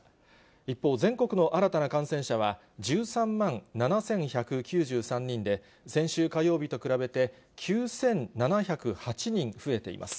一方、全国の新たな感染者は１３万７１９３人で、先週火曜日と比べて９７０８人増えています。